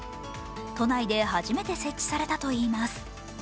都内で初めて設置されたといいます。